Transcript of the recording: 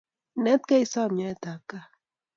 Inetkei isom nyoet ap kaat.